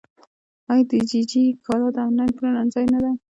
آیا دیجیجی کالا د انلاین پلورنځی نه دی؟